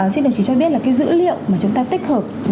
xin đồng chí cho biết là cái dữ liệu mà chúng ta tích hợp